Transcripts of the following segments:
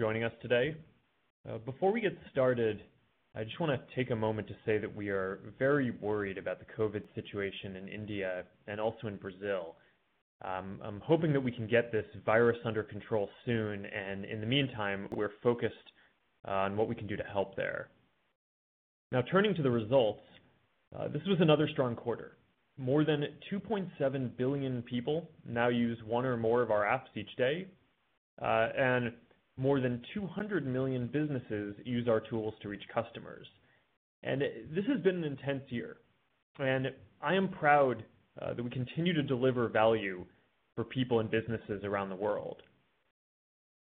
Thanks for joining us today. Before we get started, I just want to take a moment to say that we are very worried about the COVID situation in India and also in Brazil. I'm hoping that we can get this virus under control soon, and in the meantime, we're focused on what we can do to help there. Turning to the results, this was another strong quarter. More than 2.7 billion people now use one or more of our apps each day. More than 200 million businesses use our tools to reach customers. This has been an intense year, and I am proud that we continue to deliver value for people and businesses around the world.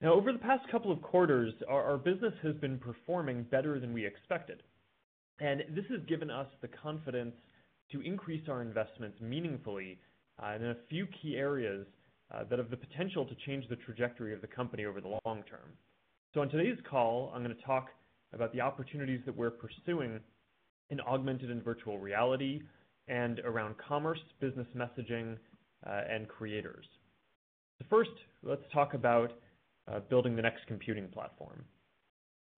Over the past couple of quarters, our business has been performing better than we expected. This has given us the confidence to increase our investments meaningfully in a few key areas that have the potential to change the trajectory of the company over the long term. On today's call, I'm going to talk about the opportunities that we're pursuing in augmented and virtual reality and around commerce, business messaging, and creators. First, let's talk about building the next computing platform.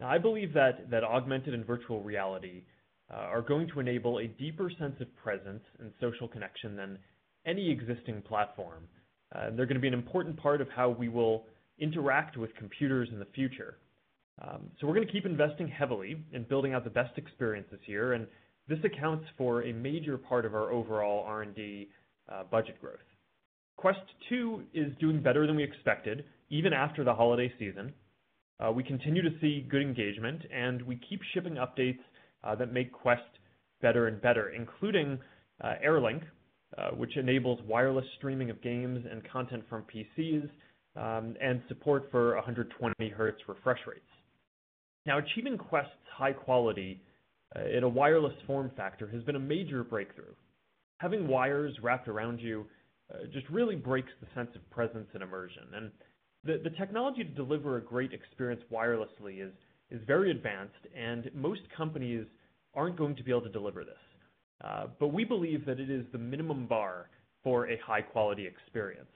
I believe that augmented and virtual reality are going to enable a deeper sense of presence and social connection than any existing platform. They're going to be an important part of how we will interact with computers in the future. We're going to keep investing heavily in building out the best experiences here, and this accounts for a major part of our overall R&D budget growth. Quest 2 is doing better than we expected, even after the holiday season. We continue to see good engagement. We keep shipping updates that make Quest better and better, including Air Link, which enables wireless streaming of games and content from PCs, and support for 120 Hz refresh rates. Achieving Quest's high quality in a wireless form factor has been a major breakthrough. Having wires wrapped around you just really breaks the sense of presence and immersion. The technology to deliver a great experience wirelessly is very advanced and most companies aren't going to be able to deliver this. We believe that it is the minimum bar for a high-quality experience.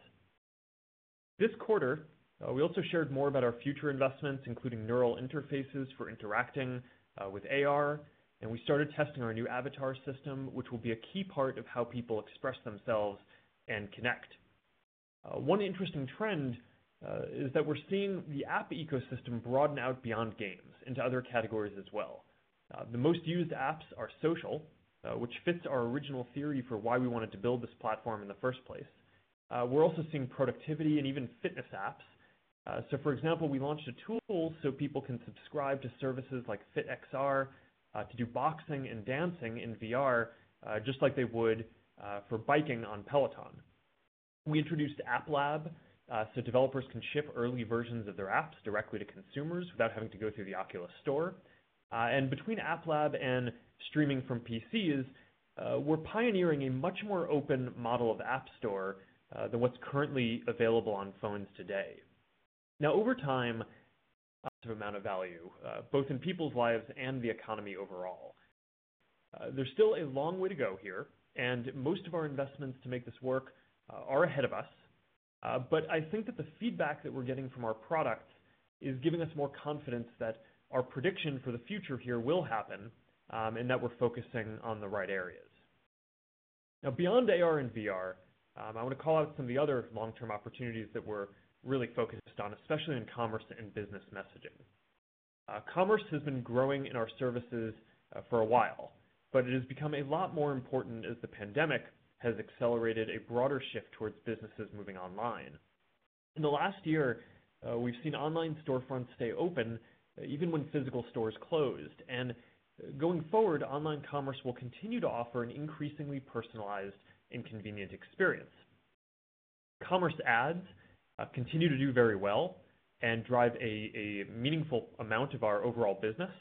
This quarter, we also shared more about our future investments, including neural interfaces for interacting with AR. We started testing our new avatar system, which will be a key part of how people express themselves and connect. One interesting trend is that we're seeing the app ecosystem broaden out beyond games into other categories as well. The most used apps are social, which fits our original theory for why we wanted to build this platform in the first place. We're also seeing productivity and even fitness apps. For example, we launched a tool so people can subscribe to services like FitXR to do boxing and dancing in VR, just like they would for biking on Peloton. We introduced App Lab so developers can ship early versions of their apps directly to consumers without having to go through the Oculus Store. Between App Lab and streaming from PCs, we're pioneering a much more open model of app store than what's currently available on phones today. Over time, massive amount of value, both in people's lives and the economy overall. There's still a long way to go here, and most of our investments to make this work are ahead of us. I think that the feedback that we're getting from our product is giving us more confidence that our prediction for the future here will happen, and that we're focusing on the right areas. Beyond AR and VR, I want to call out some of the other long-term opportunities that we're really focused on, especially in commerce and business messaging. Commerce has been growing in our services for a while, but it has become a lot more important as the pandemic has accelerated a broader shift towards businesses moving online. In the last year, we've seen online storefronts stay open even when physical stores closed. Going forward, online commerce will continue to offer an increasingly personalized and convenient experience. Commerce ads continue to do very well and drive a meaningful amount of our overall business.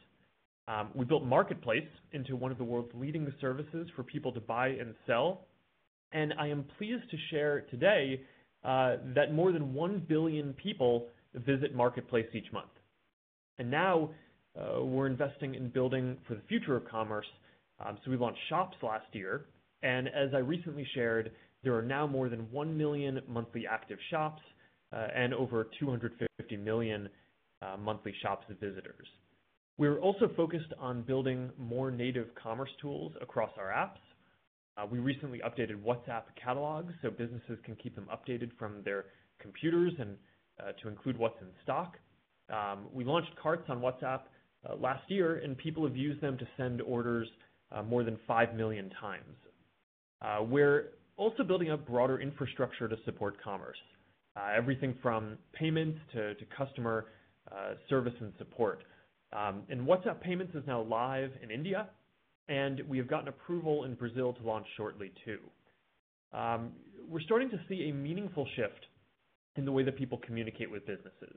We built Marketplace into one of the world's leading services for people to buy and sell. I am pleased to share today, that more than 1 billion people visit Marketplace each month. Now, we're investing in building for the future of commerce. We launched Shops last year, and as I recently shared, there are now more than 1 million monthly active Shops, and over 250 million monthly Shops visitors. We're also focused on building more native commerce tools across our apps. We recently updated WhatsApp catalogs so businesses can keep them updated from their computers and to include what's in stock. We launched carts on WhatsApp last year, and people have used them to send orders more than 5 million times. We're also building up broader infrastructure to support commerce. Everything from payments to customer service and support. WhatsApp payments is now live in India, and we have gotten approval in Brazil to launch shortly too. We're starting to see a meaningful shift in the way that people communicate with businesses.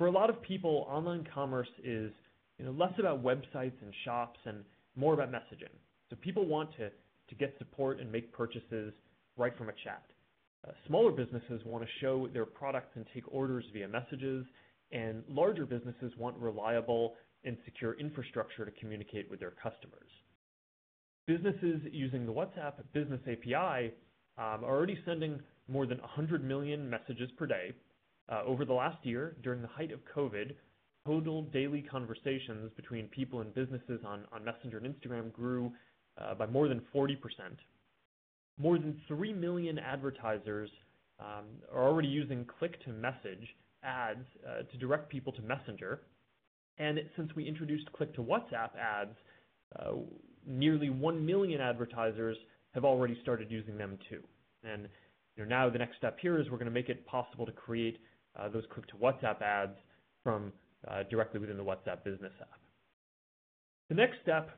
For a lot of people, online commerce is less about websites and shops and more about messaging. People want to get support and make purchases right from a chat. Smaller businesses want to show their products and take orders via messages, and larger businesses want reliable and secure infrastructure to communicate with their customers. Businesses using the WhatsApp Business API are already sending more than 100 million messages per day. Over the last year, during the height of COVID, total daily conversations between people and businesses on Messenger and Instagram grew by more than 40%. More than 3 million advertisers are already using click to message ads to direct people to Messenger. Since we introduced click to WhatsApp ads, nearly one million advertisers have already started using them too. Now the next step here is we're going to make it possible to create those click to WhatsApp ads from directly within the WhatsApp Business app. The next step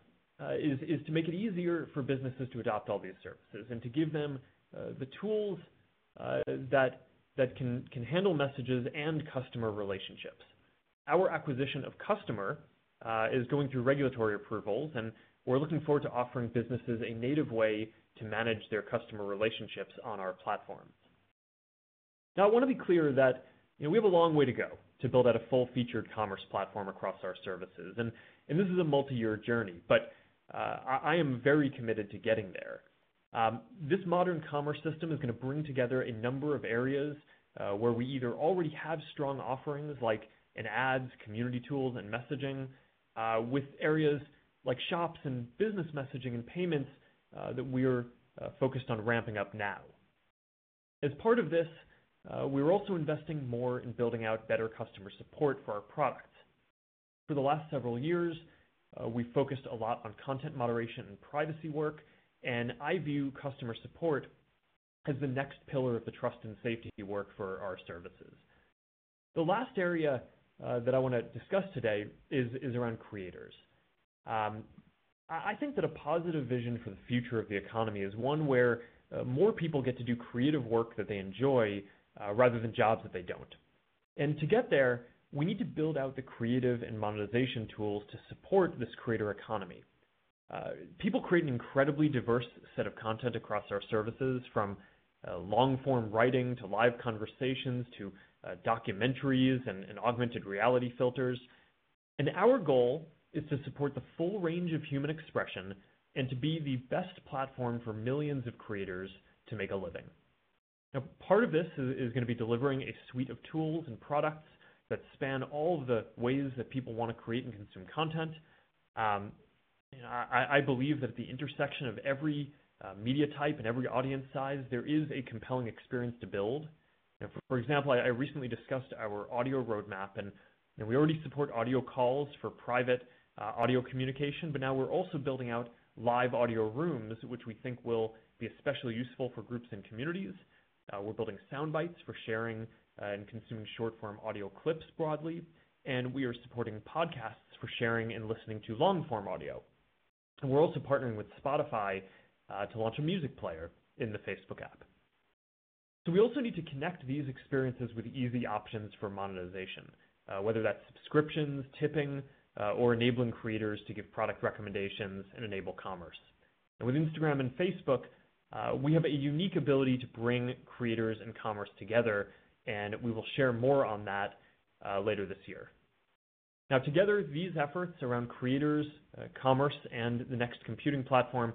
is to make it easier for businesses to adopt all these services and to give them the tools that can handle messages and customer relationships. Our acquisition of Kustomer is going through regulatory approvals, and we're looking forward to offering businesses a native way to manage their customer relationships on our platforms. Now, I want to be clear that we have a long way to go to build out a full-featured commerce platform across our services. This is a multi-year journey, but I am very committed to getting there. This modern commerce system is going to bring together a number of areas, where we either already have strong offerings like in ads, community tools, and messaging, with areas like Shops and Business Messaging and Payments that we're focused on ramping up now. As part of this, we're also investing more in building out better customer support for our products. For the last several years, we focused a lot on content moderation and privacy work, and I view customer support as the next pillar of the trust and safety work for our services. The last area that I want to discuss today is around creators. I think that a positive vision for the future of the economy is one where more people get to do creative work that they enjoy rather than jobs that they don't. To get there, we need to build out the creative and monetization tools to support this creator economy. People create an incredibly diverse set of content across our services, from long-form writing to live conversations, to documentaries and augmented reality filters. Our goal is to support the full range of human expression and to be the best platform for millions of creators to make a living. Now, part of this is going to be delivering a suite of tools and products that span all of the ways that people want to create and consume content. I believe that at the intersection of every media type and every audience size, there is a compelling experience to build. For example, I recently discussed our audio roadmap, and we already support audio calls for private audio communication. Now we're also building out Live Audio Rooms, which we think will be especially useful for groups and communities. We're building Soundbites for sharing and consuming short-form audio clips broadly. We are supporting podcasts for sharing and listening to long-form audio. We're also partnering with Spotify to launch a music player in the Facebook app. We also need to connect these experiences with easy options for monetization, whether that's subscriptions, tipping, or enabling creators to give product recommendations and enable commerce. With Instagram and Facebook, we have a unique ability to bring creators and commerce together, and we will share more on that later this year. Now together, these efforts around creators, commerce, and the next computing platform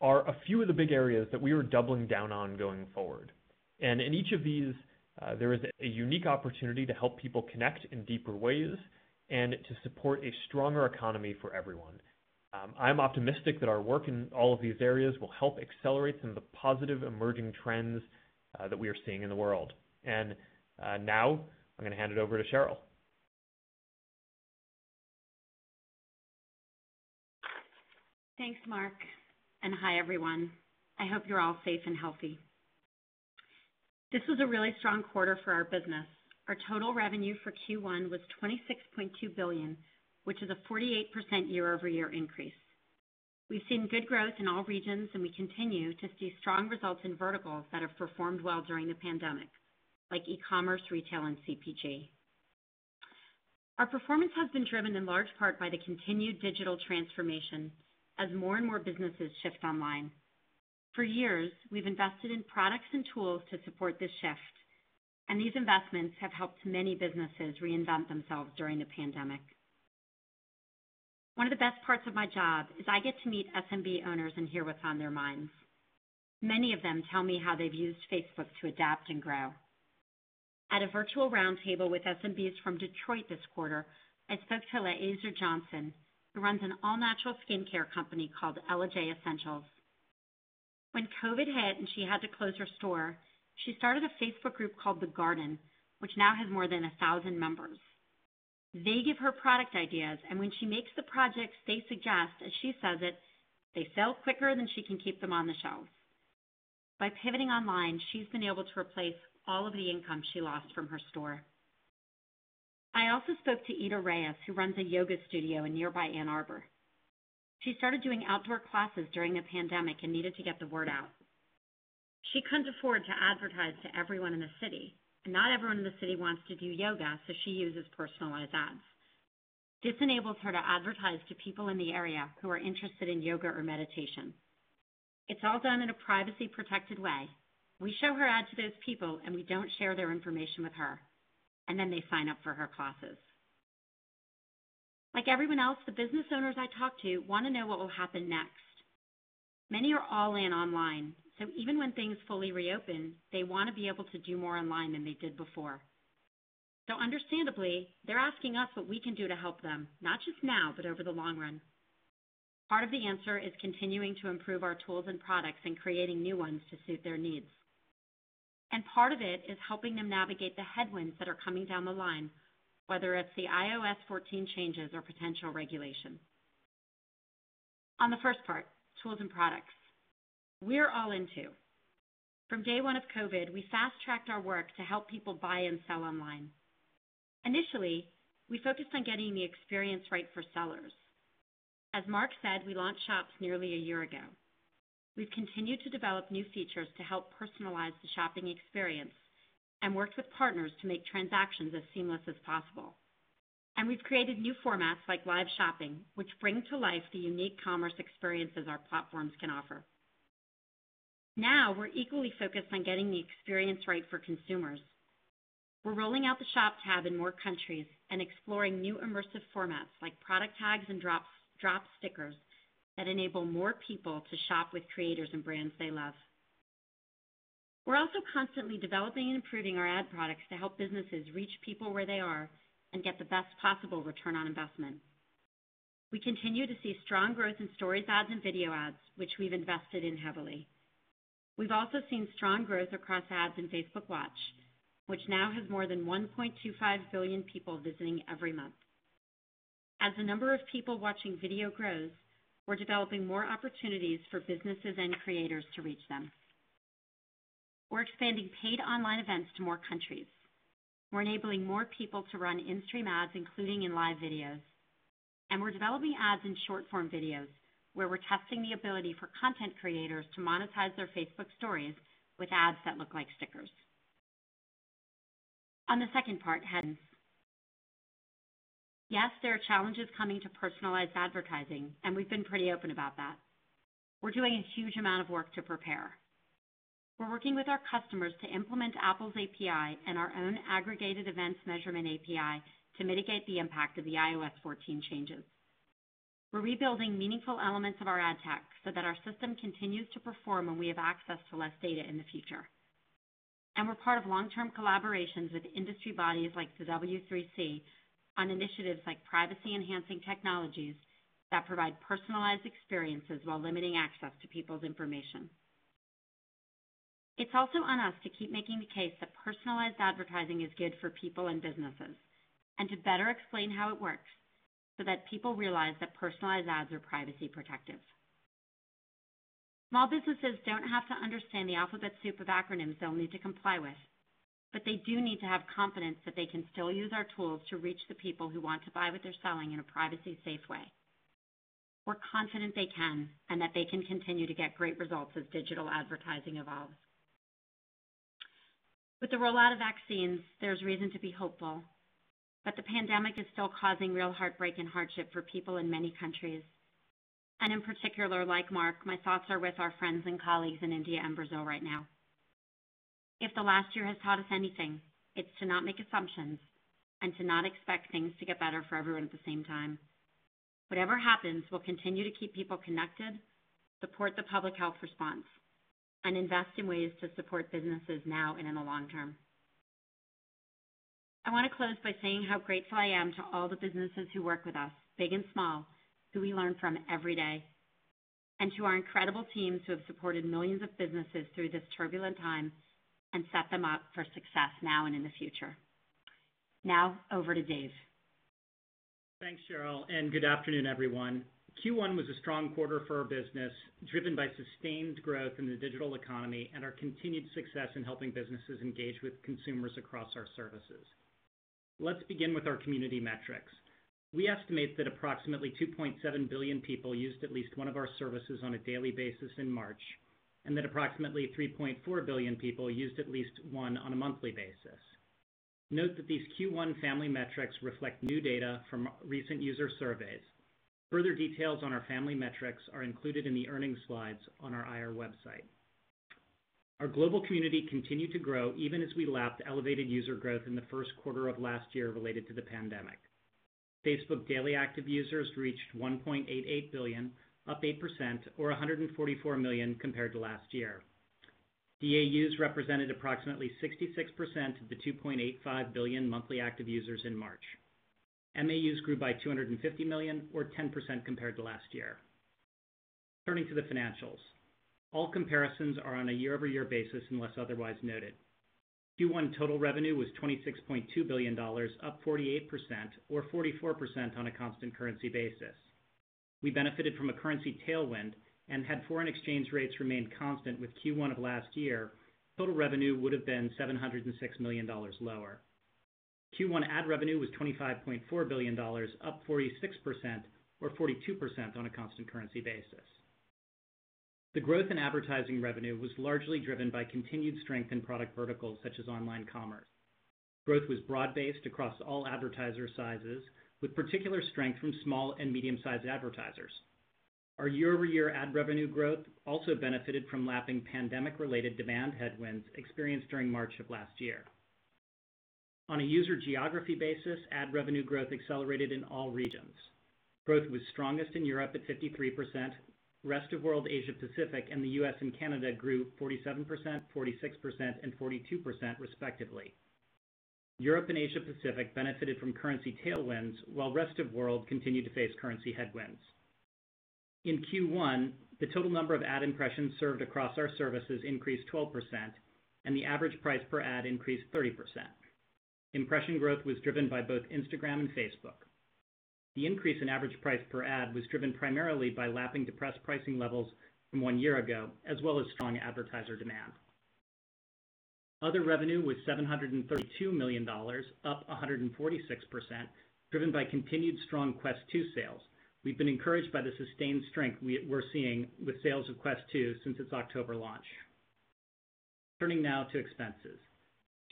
are a few of the big areas that we are doubling down on going forward. In each of these, there is a unique opportunity to help people connect in deeper ways and to support a stronger economy for everyone. I'm optimistic that our work in all of these areas will help accelerate some of the positive emerging trends that we are seeing in the world. Now I'm going to hand it over to Sheryl. Thanks, Mark, and hi, everyone. I hope you're all safe and healthy. This was a really strong quarter for our business. Our total revenue for Q1 was $26.2 billion, which is a 48% year-over-year increase. We've seen good growth in all regions, and we continue to see strong results in verticals that have performed well during the pandemic, like e-commerce, retail, and CPG. Our performance has been driven in large part by the continued digital transformation as more and more businesses shift online. For years, we've invested in products and tools to support this shift, and these investments have helped many businesses reinvent themselves during the pandemic. One of the best parts of my job is I get to meet SMB owners and hear what's on their minds. Many of them tell me how they've used Facebook to adapt and grow. At a virtual roundtable with SMBs from Detroit this quarter, I spoke to La'Asir Johnson, who runs an all-natural skincare company called Elle Jae Essentials. When COVID hit and she had to close her store, she started a Facebook group called The Garden, which now has more than 1,000 members. They give her product ideas, and when she makes the projects they suggest, as she says it, they sell quicker than she can keep them on the shelves. By pivoting online, she's been able to replace all of the income she lost from her store. I also spoke to Ida Reyes, who runs a yoga studio in nearby Ann Arbor. She started doing outdoor classes during the pandemic and needed to get the word out. She couldn't afford to advertise to everyone in the city, and not everyone in the city wants to do yoga, so she uses personalized ads. This enables her to advertise to people in the area who are interested in yoga or meditation. It's all done in a privacy-protected way. We show her ad to those people, we don't share their information with her. Then they sign up for her classes. Like everyone else, the business owners I talk to want to know what will happen next. Many are all-in online, even when things fully reopen, they want to be able to do more online than they did before. Understandably, they're asking us what we can do to help them, not just now, but over the long run. Part of the answer is continuing to improve our tools and products and creating new ones to suit their needs. Part of it is helping them navigate the headwinds that are coming down the line, whether it's the iOS 14 changes or potential regulation. On the first part, tools and products. We're all in, too. From day one of COVID, we fast-tracked our work to help people buy and sell online. Initially, we focused on getting the experience right for sellers. As Mark said, we launched Shops nearly a year ago. We've continued to develop new features to help personalize the shopping experience and worked with partners to make transactions as seamless as possible. We've created new formats like live shopping, which bring to life the unique commerce experiences our platforms can offer. Now, we're equally focused on getting the experience right for consumers. We're rolling out the Shop tab in more countries and exploring new immersive formats like product tags and drop stickers that enable more people to shop with creators and brands they love. We're also constantly developing and improving our ad products to help businesses reach people where they are and get the best possible return on investment. We continue to see strong growth in Stories ads and video ads, which we've invested in heavily. We've also seen strong growth across ads in Facebook Watch, which now has more than 1.25 billion people visiting every month. As the number of people watching video grows, we're developing more opportunities for businesses and creators to reach them. We're expanding paid online events to more countries. We're enabling more people to run in-stream ads, including in live videos. We're developing ads in short-form videos where we're testing the ability for content creators to monetize their Facebook Stories with ads that look like stickers. On the second part, headwinds. Yes, there are challenges coming to personalized advertising, and we've been pretty open about that. We're doing a huge amount of work to prepare. We're working with our customers to implement Apple's API and our own Aggregated Event Measurement API to mitigate the impact of the iOS 14 changes. We're rebuilding meaningful elements of our ad tech so that our system continues to perform when we have access to less data in the future. We're part of long-term collaborations with industry bodies like the W3C on initiatives like privacy-enhancing technologies that provide personalized experiences while limiting access to people's information. It's also on us to keep making the case that personalized advertising is good for people and businesses, and to better explain how it works so that people realize that personalized ads are privacy protective. Small businesses don't have to understand the alphabet soup of acronyms they'll need to comply with, but they do need to have confidence that they can still use our tools to reach the people who want to buy what they're selling in a privacy-safe way. We're confident they can, and that they can continue to get great results as digital advertising evolves. With the rollout of vaccines, there's reason to be hopeful, but the pandemic is still causing real heartbreak and hardship for people in many countries. In particular, like Mark, my thoughts are with our friends and colleagues in India and Brazil right now. If the last year has taught us anything, it's to not make assumptions and to not expect things to get better for everyone at the same time. Whatever happens, we'll continue to keep people connected, support the public health response, and invest in ways to support businesses now and in the long term. I want to close by saying how grateful I am to all the businesses who work with us, big and small, who we learn from every day, and to our incredible teams who have supported millions of businesses through this turbulent time and set them up for success now and in the future. Now, over to Dave. Thanks, Sheryl, and good afternoon, everyone. Q1 was a strong quarter for our business, driven by sustained growth in the digital economy and our continued success in helping businesses engage with consumers across our services. Let's begin with our community metrics. We estimate that approximately 2.7 billion people used at least one of our services on a daily basis in March, and that approximately 3.4 billion people used at least one on a monthly basis. Note that these Q1 family metrics reflect new data from recent user surveys. Further details on our family metrics are included in the earnings slides on our IR website. Our global community continued to grow even as we lapped elevated user growth in the first quarter of last year related to the pandemic. Facebook daily active users reached 1.88 billion, up 8%, or 144 million compared to last year. DAUs represented approximately 66% of the 2.85 billion monthly active users in March. MAUs grew by 250 million, or 10% compared to last year. Turning to the financials. All comparisons are on a year-over-year basis unless otherwise noted. Q1 total revenue was $26.2 billion, up 48%, or 44% on a constant currency basis. We benefited from a currency tailwind, and had foreign exchange rates remained constant with Q1 of last year, total revenue would have been $706 million lower. Q1 ad revenue was $25.4 billion, up 46%, or 42% on a constant currency basis. The growth in advertising revenue was largely driven by continued strength in product verticals such as online commerce. Growth was broad-based across all advertiser sizes, with particular strength from small and medium-sized advertisers. Our year-over-year ad revenue growth also benefited from lapping pandemic-related demand headwinds experienced during March of last year. On a user geography basis, ad revenue growth accelerated in all regions. Growth was strongest in Europe at 53%. Rest of World, Asia-Pacific, and the U.S. and Canada grew 47%, 46%, and 42% respectively. Europe and Asia-Pacific benefited from currency tailwinds, while Rest of World continued to face currency headwinds. In Q1, the total number of ad impressions served across our services increased 12% and the average price per ad increased 30%. Impression growth was driven by both Instagram and Facebook. The increase in average price per ad was driven primarily by lapping depressed pricing levels from one year ago, as well as strong advertiser demand. Other revenue was $732 million, up 146%, driven by continued strong Quest 2 sales. We've been encouraged by the sustained strength we're seeing with sales of Quest 2 since its October launch. Turning now to expenses.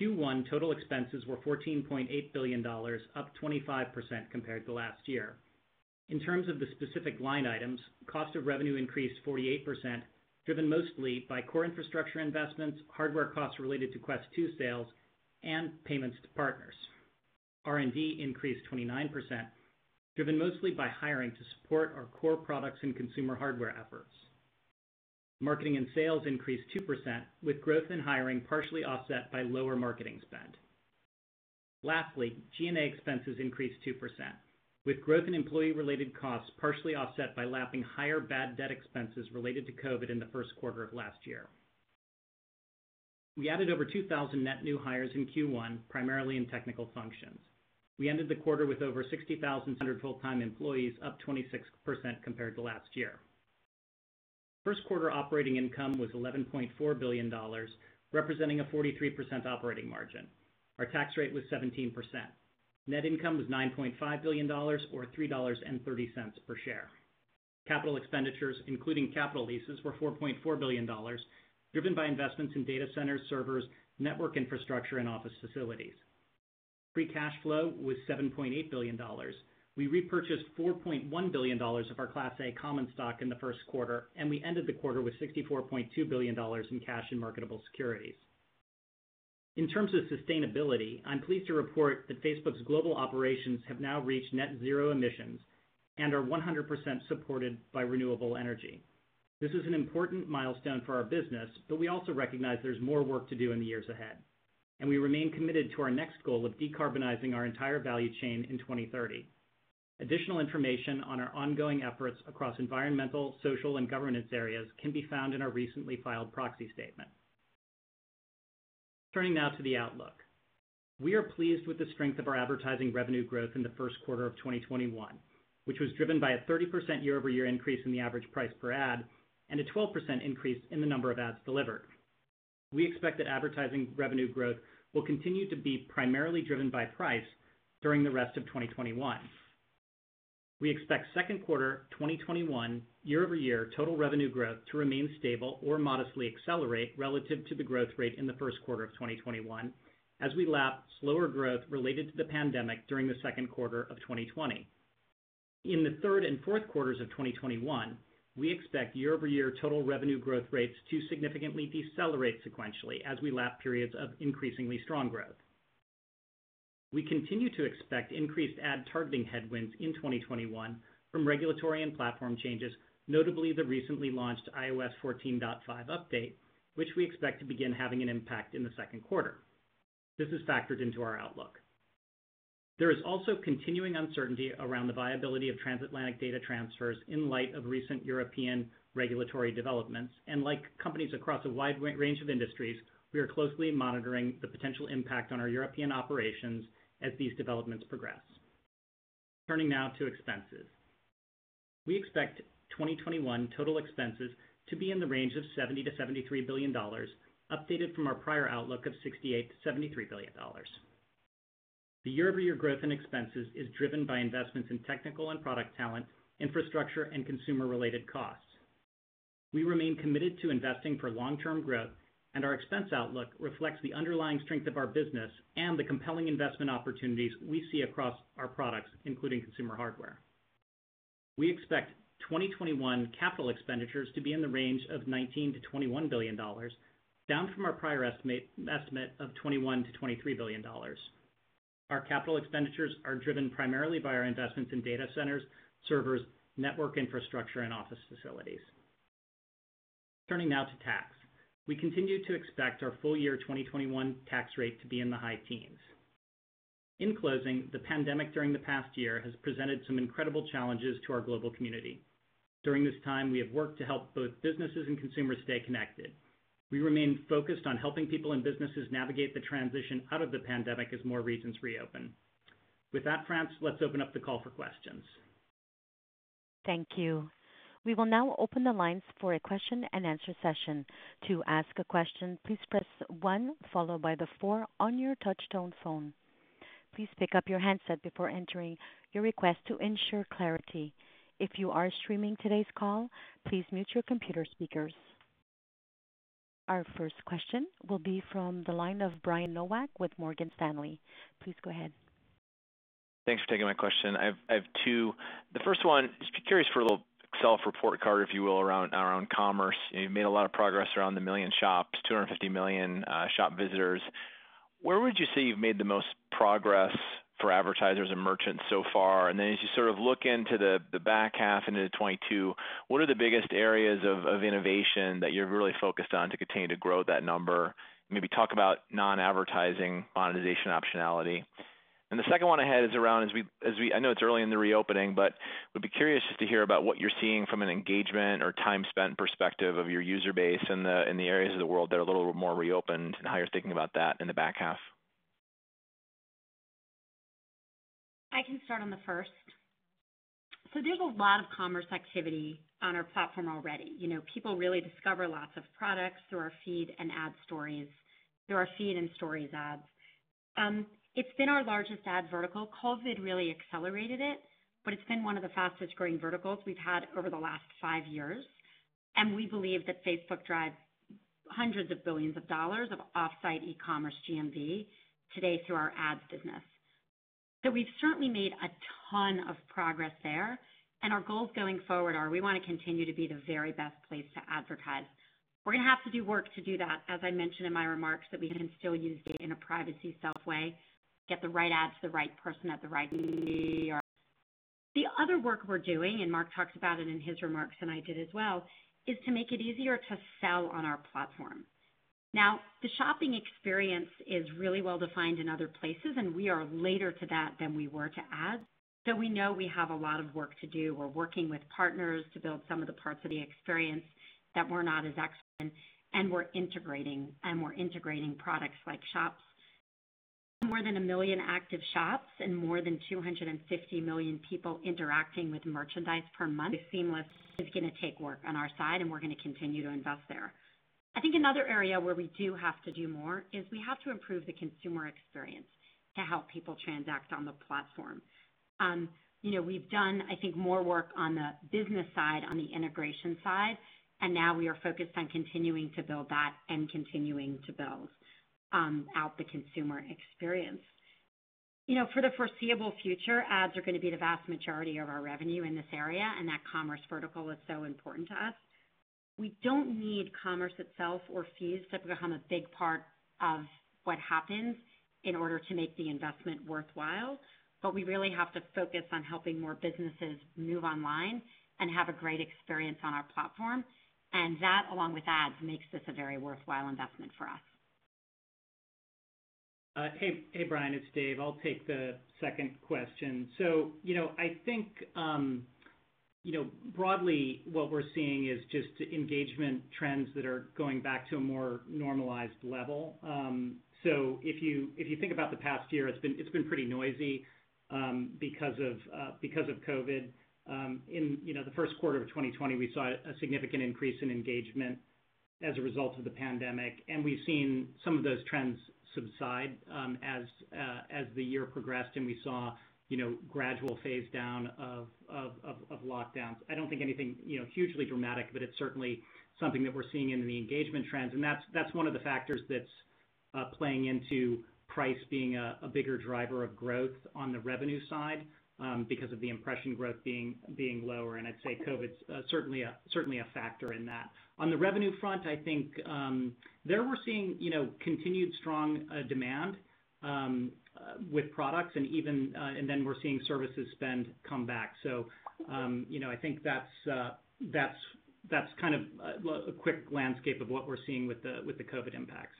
Q1 total expenses were $14.8 billion, up 25% compared to last year. In terms of the specific line items, cost of revenue increased 48%, driven mostly by core infrastructure investments, hardware costs related to Quest 2 sales, and payments to partners. R&D increased 29%, driven mostly by hiring to support our core products and consumer hardware efforts. Marketing and sales increased 2%, with growth in hiring partially offset by lower marketing spend. Lastly, G&A expenses increased 2%, with growth in employee-related costs partially offset by lapping higher bad debt expenses related to COVID in the first quarter of last year. We added over 2,000 net new hires in Q1, primarily in technical functions. We ended the quarter with over 60,200 full-time employees, up 26% compared to last year. First quarter operating income was $11.4 billion, representing a 43% operating margin. Our tax rate was 17%. Net income was $9.5 billion or $3.30 per share. Capital expenditures, including capital leases, were $4.4 billion, driven by investments in data centers, servers, network infrastructure, and office facilities. Free cash flow was $7.8 billion. We repurchased $4.1 billion of our Class A common stock in the first quarter, we ended the quarter with $64.2 billion in cash and marketable securities. In terms of sustainability, I'm pleased to report that Facebook's global operations have now reached net zero emissions and are 100% supported by renewable energy. This is an important milestone for our business, we also recognize there's more work to do in the years ahead. We remain committed to our next goal of decarbonizing our entire value chain in 2030. Additional information on our ongoing efforts across environmental, social, and governance areas can be found in our recently filed proxy statement. Turning now to the outlook. We are pleased with the strength of our advertising revenue growth in the first quarter of 2021, which was driven by a 30% year-over-year increase in the average price per ad and a 12% increase in the number of ads delivered. We expect that advertising revenue growth will continue to be primarily driven by price during the rest of 2021. We expect second quarter 2021 year-over-year total revenue growth to remain stable or modestly accelerate relative to the growth rate in the first quarter of 2021 as we lap slower growth related to the pandemic during the second quarter of 2020. In the third and fourth quarters of 2021, we expect year-over-year total revenue growth rates to significantly decelerate sequentially as we lap periods of increasingly strong growth. We continue to expect increased ad targeting headwinds in 2021 from regulatory and platform changes, notably the recently launched iOS 14.5 update, which we expect to begin having an impact in the second quarter. This is factored into our outlook. There is also continuing uncertainty around the viability of transatlantic data transfers in light of recent European regulatory developments, and like companies across a wide range of industries, we are closely monitoring the potential impact on our European operations as these developments progress. Turning now to expenses. We expect 2021 total expenses to be in the range of $70 billion-$73 billion, updated from our prior outlook of $68 billion-$73 billion. The year-over-year growth in expenses is driven by investments in technical and product talent, infrastructure, and consumer-related costs. We remain committed to investing for long-term growth, and our expense outlook reflects the underlying strength of our business and the compelling investment opportunities we see across our products, including consumer hardware. We expect 2021 capital expenditures to be in the range of $19 billion-$21 billion, down from our prior estimate of $21 billion-$23 billion. Our capital expenditures are driven primarily by our investments in data centers, servers, network infrastructure, and office facilities. Turning now to tax. We continue to expect our full year 2021 tax rate to be in the high teens. In closing, the pandemic during the past year has presented some incredible challenges to our global community. During this time, we have worked to help both businesses and consumers stay connected. We remain focused on helping people and businesses navigate the transition out of the pandemic as more regions reopen. With that, France, let's open up the call for questions. Thank you. We will now open the lines for a question-and-answer session. To ask a question, please press one, followed by the four on your touch-tone phone. Please pick up your handset before entering your request to ensure clarity. If you are streaming today's call, please mute your computer speakers. Our first question will be from the line of Brian Nowak with Morgan Stanley. Please go ahead. Thanks for taking my question. I have two. The first one, just curious for a little self-report card, if you will, around commerce. You've made a lot of progress around the million Shops, 250 million Shop visitors. Where would you say you've made the most progress for advertisers and merchants so far? Then as you look into the back half into 2022, what are the biggest areas of innovation that you're really focused on to continue to grow that number? Maybe talk about non-advertising monetization optionality. The second one I had is around, I know it's early in the reopening, but would be curious just to hear about what you're seeing from an engagement or time spent perspective of your user base in the areas of the world that are a little more reopened, and how you're thinking about that in the back half. I can start on the first. There's a lot of commerce activity on our platform already. People really discover lots of products through our feed and Stories ads. It's been our largest ad vertical. COVID really accelerated it, but it's been one of the fastest-growing verticals we've had over the last five years, and we believe that Facebook drives hundreds of billions of dollars of off-site e-commerce GMV today through our ads business. We've certainly made a ton of progress there, and our goals going forward are we want to continue to be the very best place to advertise. We're going to have to do work to do that, as I mentioned in my remarks, that we can still use data in a privacy-safe way, get the right ads to the right person at the right, but we think we are market leaders here. The other work we're doing, and Mark talked about it in his remarks, and I did as well, is to make it easier to sell on our platform. Now, the shopping experience is really well-defined in other places, and we are later to that than we were to ads, so we know we have a lot of work to do. We're working with partners to build some of the parts of the experience that we're not as excellent in, and we're integrating products like Shops. More than 1 million active Shops and more than 250 million people interacting with merchandise per month is seamless. It's going to take work on our side, and we're going to continue to invest there. I think another area where we do have to do more is we have to improve the consumer experience to help people transact on the platform. We've done, I think, more work on the business side, on the integration side. Now we are focused on continuing to build that and continuing to build out the consumer experience. For the foreseeable future, ads are going to be the vast majority of our revenue in this area. That commerce vertical is so important to us. We don't need commerce itself or fees to become a big part of what happens in order to make the investment worthwhile. We really have to focus on helping more businesses move online and have a great experience on our platform. That, along with ads, makes this a very worthwhile investment for us. Hey, Brian, it's Dave. I'll take the second question. I think, broadly, what we're seeing is just engagement trends that are going back to a more normalized level. If you think about the past year, it's been pretty noisy because of COVID. In the first quarter of 2020, we saw a significant increase in engagement as a result of the pandemic, and we've seen some of those trends subside as the year progressed, and we saw gradual phase down of lockdowns. I don't think anything hugely dramatic, but it's certainly something that we're seeing in the engagement trends. That's one of the factors that's playing into price being a bigger driver of growth on the revenue side because of the impression growth being lower, and I'd say COVID's certainly a factor in that. On the revenue front, I think there we're seeing continued strong demand with products and then we're seeing services spend come back. I think that's a quick landscape of what we're seeing with the COVID impacts.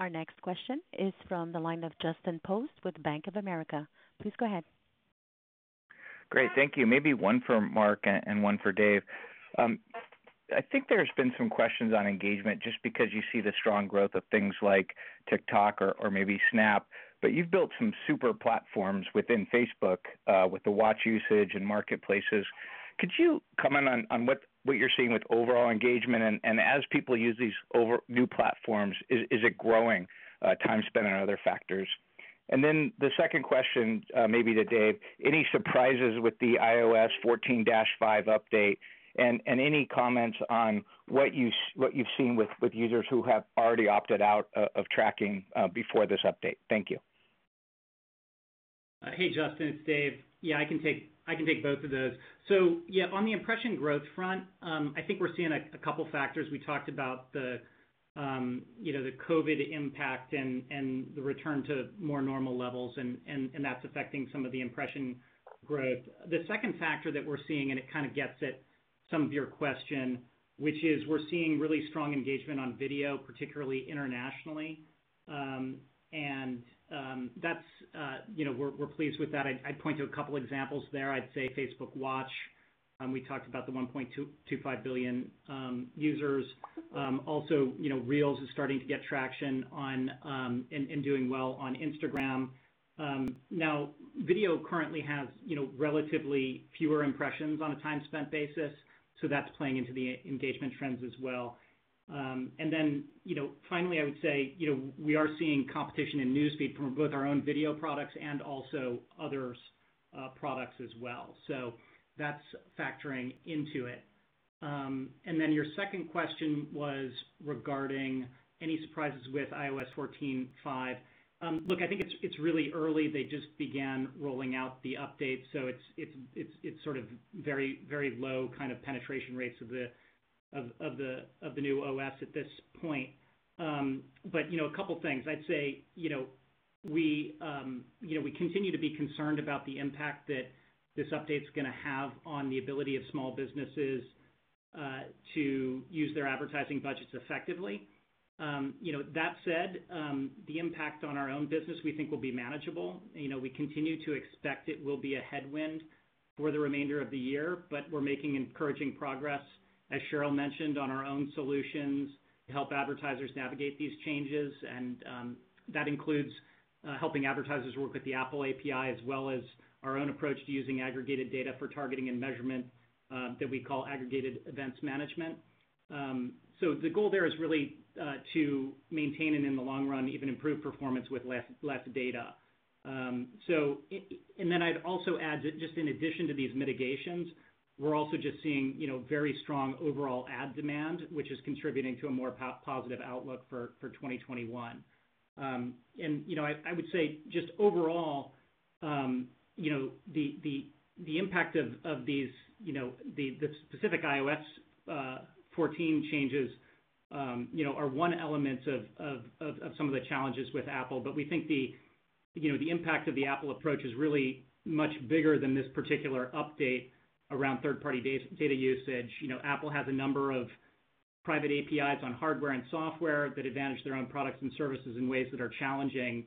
Our next question is from the line of Justin Post with Bank of America. Please go ahead. Great. Thank you. Maybe one for Mark and one for Dave. I think there's been some questions on engagement just because you see the strong growth of things like TikTok or maybe Snap, but you've built some super platforms within Facebook with the Watch usage and Marketplace. Could you comment on what you're seeing with overall engagement? As people use these new platforms, is it growing time spent on other factors? The second question, maybe to Dave, any surprises with the iOS 14.5 update, and any comments on what you've seen with users who have already opted out of tracking before this update? Thank you. Hey, Justin, it's Dave. I can take both of those. On the impression growth front, I think we're seeing a couple of factors. We talked about the COVID impact and the return to more normal levels, and that's affecting some of the impression growth. The second factor that we're seeing, and it kind of gets at some of your question, which is we're seeing really strong engagement on video, particularly internationally. We're pleased with that. I'd point to a couple examples there. I'd say Facebook Watch. We talked about the 1.25 billion users. Also, Reels is starting to get traction and doing well on Instagram. Video currently has relatively fewer impressions on a time spent basis, so that's playing into the engagement trends as well. Finally, I would say, we are seeing competition in News Feed from both our own video products and also others' products as well. That's factoring into it. Your second question was regarding any surprises with iOS 14.5. Look, I think it's really early. They just began rolling out the update, so it's very low penetration rates of the new OS at this point. A couple of things. I'd say, we continue to be concerned about the impact that this update's going to have on the ability of small businesses to use their advertising budgets effectively. That said, the impact on our own business, we think will be manageable. We continue to expect it will be a headwind for the remainder of the year, but we're making encouraging progress, as Sheryl mentioned, on our own solutions to help advertisers navigate these changes. That includes helping advertisers work with the Apple API as well as our own approach to using aggregated data for targeting and measurement that we call Aggregated Event Measurement. The goal there is really to maintain and, in the long run, even improve performance with less data. I'd also add that just in addition to these mitigations, we're also just seeing very strong overall ad demand, which is contributing to a more positive outlook for 2021. I would say just overall, the impact of the specific iOS 14 changes are one element of some of the challenges with Apple. We think the impact of the Apple approach is really much bigger than this particular update around third-party data usage. Apple has a number of private APIs on hardware and software that advantage their own products and services in ways that are challenging.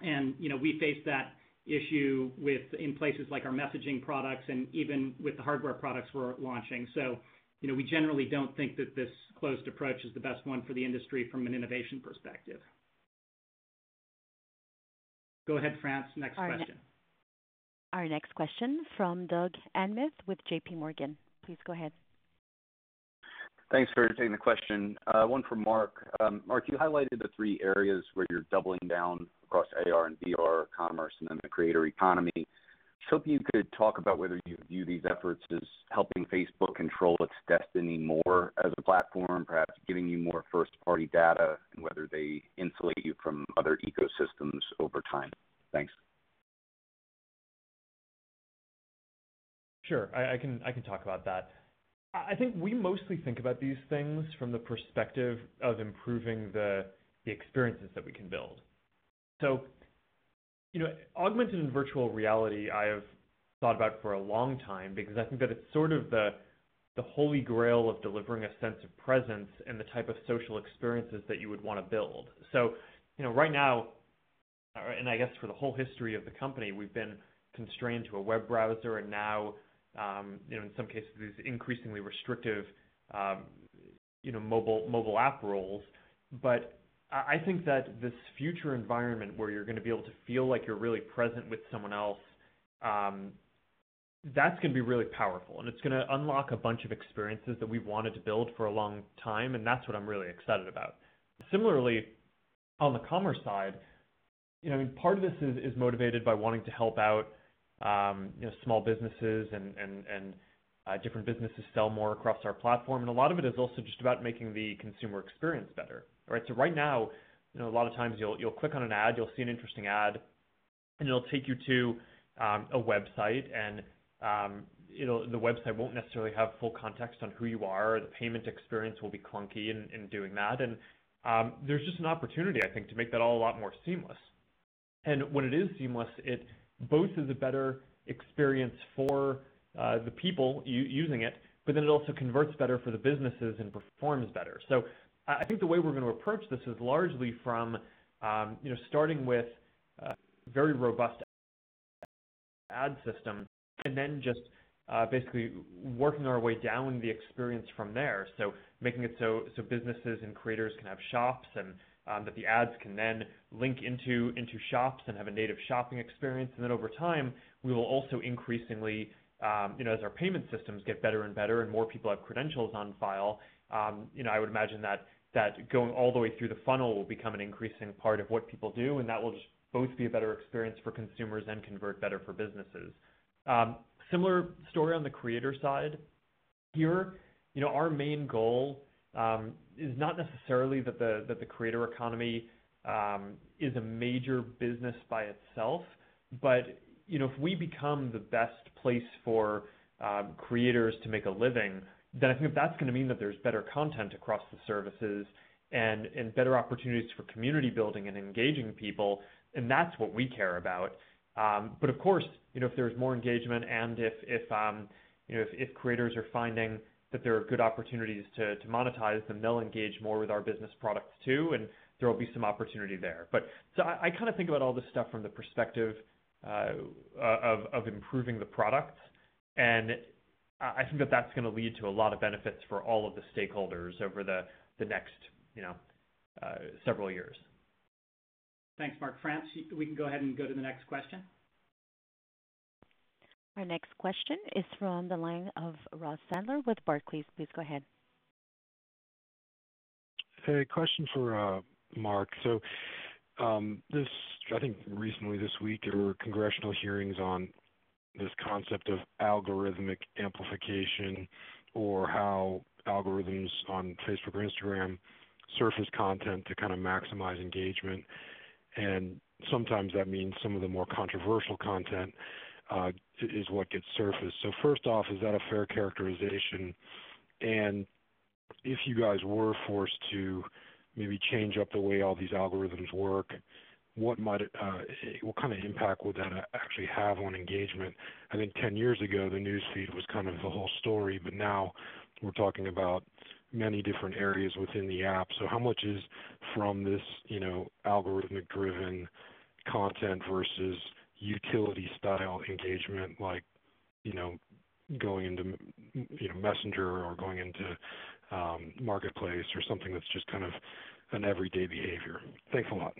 We face that issue in places like our messaging products and even with the hardware products we're launching. We generally don't think that this closed approach is the best one for the industry from an innovation perspective. Go ahead, France. Next question. Our next question from Doug Anmuth with JPMorgan. Please go ahead. Thanks for taking the question. One for Mark. Mark, you highlighted the three areas where you're doubling down across AR and VR commerce and then the creator economy. Just hoping you could talk about whether you view these efforts as helping Facebook control its destiny more as a platform, perhaps giving you more first-party data, and whether they insulate you from other ecosystems over time? Thanks. Sure. I can talk about that. I think we mostly think about these things from the perspective of improving the experiences that we can build. Augmented and virtual reality, I have thought about for a long time because I think that it's sort of the holy grail of delivering a sense of presence and the type of social experiences that you would want to build. Right now, and I guess for the whole history of the company, we've been constrained to a web browser and now, in some cases, these increasingly restrictive mobile app rules. I think that this future environment where you're going to be able to feel like you're really present with someone else, that's going to be really powerful, and it's going to unlock a bunch of experiences that we've wanted to build for a long time, and that's what I'm really excited about. Similarly, on the commerce side, part of this is motivated by wanting to help out small businesses and different businesses sell more across our platform. A lot of it is also just about making the consumer experience better, right? Right now, a lot of times you'll click on an ad, you'll see an interesting ad, and it'll take you to a website. The website won't necessarily have full context on who you are. The payment experience will be clunky in doing that. There's just an opportunity, I think, to make that all a lot more seamless. When it is seamless, it both is a better experience for the people using it, but then it also converts better for the businesses and performs better. I think the way we're going to approach this is largely from starting with a very robust ad system and then just basically working our way down the experience from there. Making it so businesses and creators can have Shops and that the ads can then link into Shops and have a native shopping experience. Over time, we will also increasingly, as our payment systems get better and better and more people have credentials on file, I would imagine that going all the way through the funnel will become an increasing part of what people do, and that will just both be a better experience for consumers and convert better for businesses. Similar story on the creator side. Here, our main goal is not necessarily that the creator economy is a major business by itself. If we become the best place for creators to make a living, I think that's going to mean that there's better content across the services and better opportunities for community building and engaging people, and that's what we care about. Of course, if there's more engagement and if creators are finding that there are good opportunities to monetize, they'll engage more with our business products too, and there will be some opportunity there. I kind of think about all this stuff from the perspective of improving the products, and I think that that's going to lead to a lot of benefits for all of the stakeholders over the next several years. Thanks, Mark. France, we can go ahead and go to the next question. Our next question is from the line of Ross Sandler with Barclays. Please go ahead. A question for Mark. I think recently this week, there were congressional hearings on this concept of algorithmic amplification or how algorithms on Facebook or Instagram surface content to maximize engagement. Sometimes that means some of the more controversial content is what gets surfaced. First off, is that a fair characterization? If you guys were forced to maybe change up the way all these algorithms work, what kind of impact would that actually have on engagement? I think 10 years ago, the News Feed was the whole story, now we're talking about many different areas within the app. How much is from this algorithmic-driven content versus utility-style engagement, like going into Messenger or going into Marketplace or something that's just kind of an everyday behavior? Thanks a lot.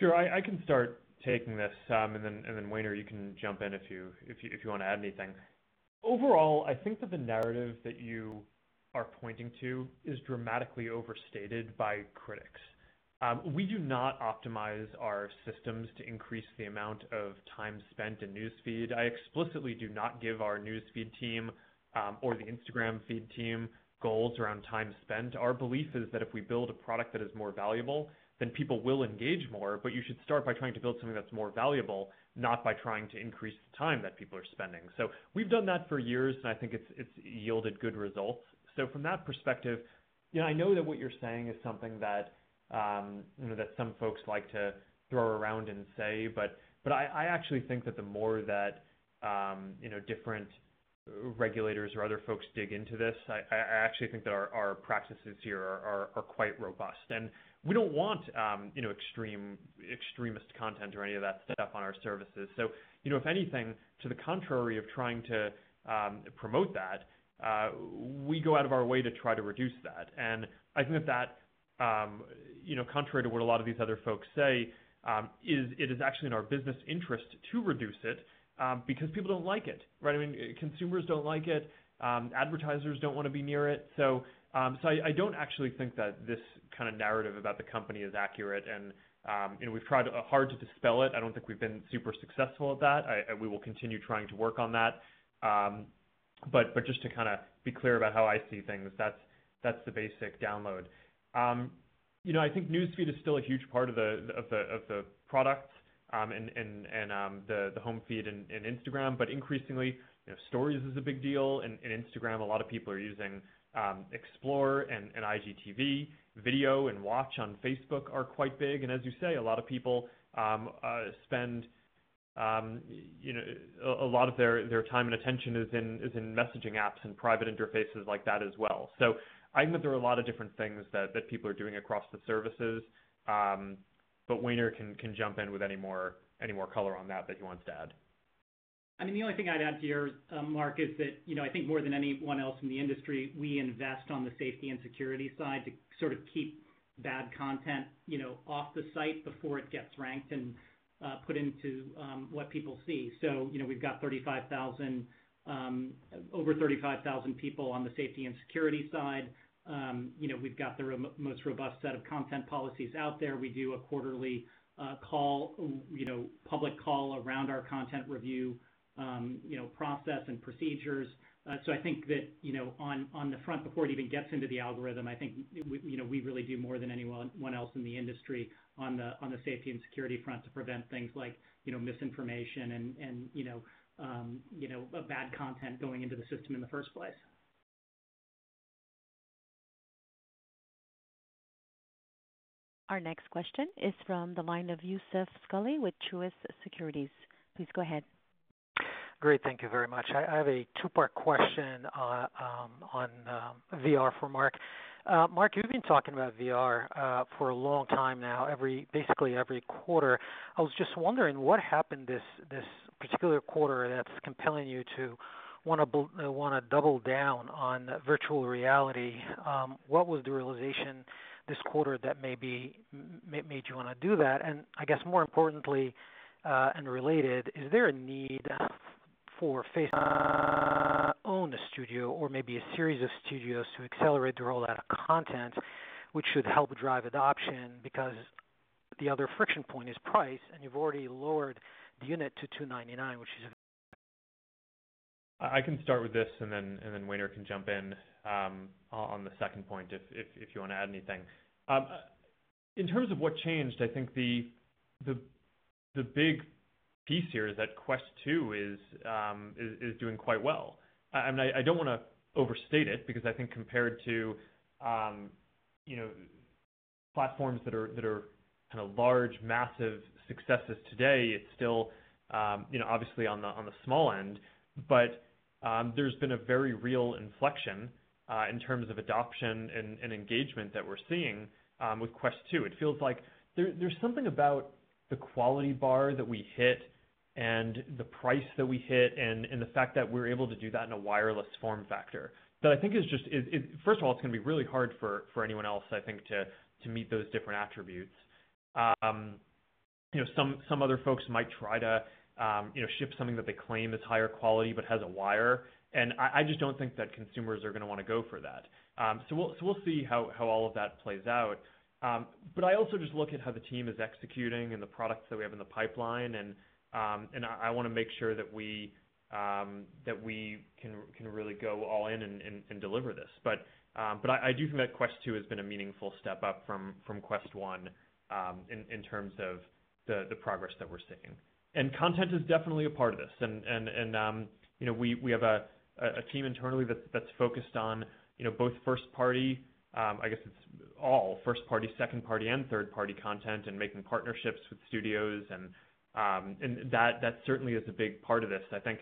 Sure. I can start taking this, then Wehner, you can jump in if you want to add anything. Overall, I think that the narrative that you are pointing to is dramatically overstated by critics. We do not optimize our systems to increase the amount of time spent in News Feed. I explicitly do not give our News Feed team or the Instagram feed team goals around time spent. Our belief is that if we build a product that is more valuable, people will engage more. You should start by trying to build something that's more valuable, not by trying to increase the time that people are spending. We've done that for years, I think it's yielded good results. From that perspective, I know that what you're saying is something that some folks like to throw around and say, but I actually think that the more that different regulators or other folks dig into this, I actually think that our practices here are quite robust. We don't want extremist content or any of that stuff on our services. If anything, to the contrary of trying to promote that, we go out of our way to try to reduce that. I think that that, contrary to what a lot of these other folks say, it is actually in our business interest to reduce it because people don't like it, right? Consumers don't like it. Advertisers don't want to be near it. I don't actually think that this kind of narrative about the company is accurate, and we've tried hard to dispel it. I don't think we've been super successful at that. We will continue trying to work on that. Just to be clear about how I see things, that's the basic download. I think News Feed is still a huge part of the product and the home feed in Instagram. Increasingly, Stories is a big deal in Instagram. A lot of people are using Explore and IGTV. Video and Watch on Facebook are quite big. As you say, a lot of people spend a lot of their time and attention is in messaging apps and private interfaces like that as well. I admit there are a lot of different things that people are doing across the services. Wehner can jump in with any more color on that that he wants to add. The only thing I'd add here, Mark, is that, I think more than anyone else in the industry, we invest on the safety and security side to sort of keep bad content off the site before it gets ranked and put into what people see. We've got over 35,000 people on the safety and security side. We've got the most robust set of content policies out there. We do a quarterly public call around our content review process and procedures. I think that on the front, before it even gets into the algorithm, I think we really do more than anyone else in the industry on the safety and security front to prevent things like misinformation and bad content going into the system in the first place. Our next question is from the line of Youssef Squali with Truist Securities. Please go ahead. Great. Thank you very much. I have a two-part question on VR for Mark. Mark, you've been talking about VR for a long time now, basically every quarter. I was just wondering what happened this particular quarter that's compelling you to want to double down on virtual reality. What was the realization this quarter that maybe made you want to do that? I guess more importantly and related, is there a need for Facebook to own a studio or maybe a series of studios to accelerate the rollout of content, which should help drive adoption because the other friction point is price, and you've already lowered the unit to $299. I can start with this, and then Wehner can jump in on the second point if you want to add anything. In terms of what changed, I think the big piece here is that Quest 2 is doing quite well. I don't want to overstate it because I think compared to platforms that are kind of large, massive successes today, it's still obviously on the small end. There's been a very real inflection in terms of adoption and engagement that we're seeing with Quest 2. It feels like there's something about the quality bar that we hit and the price that we hit and the fact that we're able to do that in a wireless form factor. That I think is just, first of all, it's going to be really hard for anyone else, I think, to meet those different attributes. Some other folks might try to ship something that they claim is higher quality but has a wire. I just don't think that consumers are going to want to go for that. We'll see how all of that plays out. I also just look at how the team is executing and the products that we have in the pipeline, and I want to make sure that we can really go all in and deliver this. I do think that Quest 2 has been a meaningful step up from Quest 1 in terms of the progress that we're seeing. Content is definitely a part of this. We have a team internally that's focused on both first party, I guess it's all first party, second party, and third party content and making partnerships with studios and that certainly is a big part of this. I think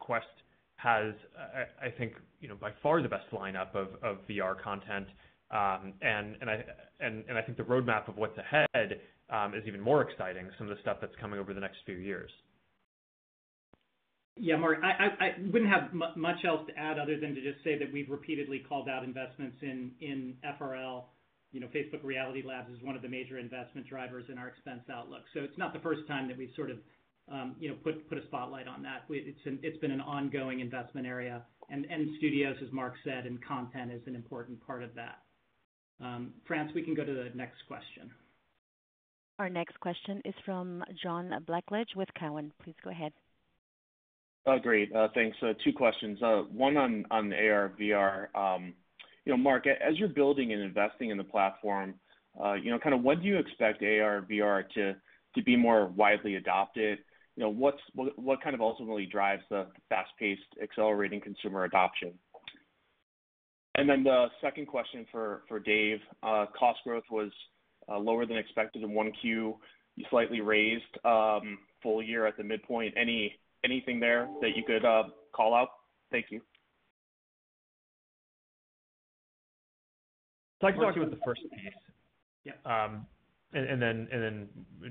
Quest has by far the best lineup of VR content. I think the roadmap of what's ahead is even more exciting, some of the stuff that's coming over the next few years. Yeah, Mark, I wouldn't have much else to add other than to just say that we've repeatedly called out investments in FRL. Facebook Reality Labs is one of the major investment drivers in our expense outlook. It's not the first time that we've sort of put a spotlight on that. It's been an ongoing investment area. Studios, as Mark said, and content is an important part of that. France, we can go to the next question. Our next question is from John Blackledge with Cowen. Please go ahead. Great. Thanks. Two questions. One on AR/VR. Mark, as you're building and investing in the platform, when do you expect AR/VR to be more widely adopted? What kind of ultimately drives the fast-paced accelerating consumer adoption? Then the second question for Dave. Cost growth was lower than expected in 1Q. You slightly raised full year at the midpoint. Anything there that you could call out? Thank you. I can talk about the first piece. Yeah.